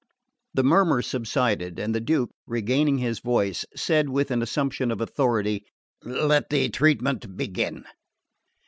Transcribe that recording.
The murmur subsided, and the Duke, regaining his voice, said with an assumption of authority: "Let the treatment begin."